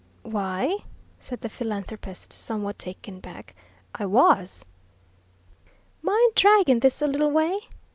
"Why," said the philanthropist, somewhat taken back, "I WAS!" "Mind draggin' this a little way?"